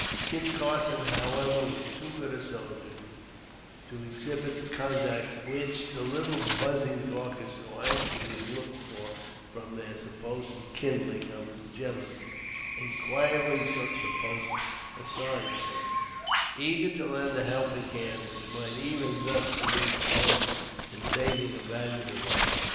Kit Carson, however, was too good a soldier to exhibit the conduct which the little buzzing talkers so anxiously looked for from their supposed kindling of his jealousy, and quietly took the post assigned him, eager to lend a helping hand, which might even thus be instrumental in saving a valuable life.